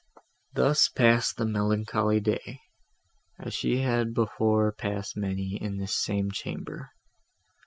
Thus passed the melancholy day, as she had before passed many in this same chamber.